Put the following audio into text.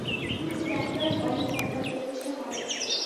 তিনি standard oil company প্রতিষ্ঠা করেন।